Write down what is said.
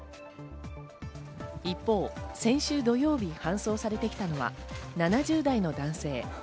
一方、先週土曜日、搬送されてきたのは７０代の男性。